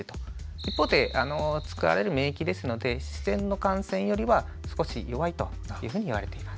一方で作られる免疫ですので自然の感染よりは少し弱いというふうにいわれています。